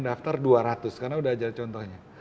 daftar dua ratus karena udah jadi contohnya